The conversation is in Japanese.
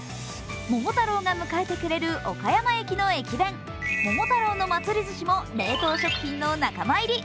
桃太郎が迎えてくれる岡山駅の駅弁、桃太郎の祭ずしも冷凍食品の仲間入り。